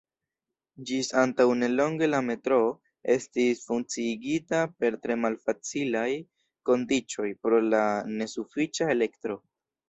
Ĝis antaŭnelonge la metroo estis funkciigita per tre malfacilaj kondiĉoj pro la nesufiĉa elektro.